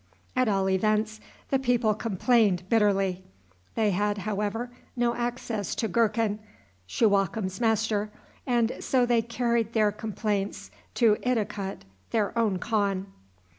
At all events, the people complained bitterly. They had, however, no access to Gurkhan, Shuwakem's master, and so they carried their complaints to Idikut, their own khan.